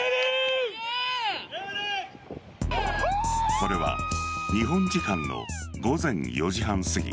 これは日本時間の午前４時半すぎ。